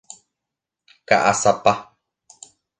Ka'asapa.